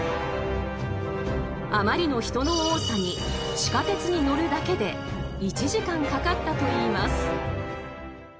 あまりの人の多さに地下鉄に乗るだけで１時間かかったといいます。